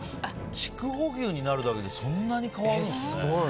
筑穂牛になるだけでそんなに変わるんですね。